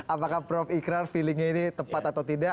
apakah prof ikrar feelingnya ini tepat atau tidak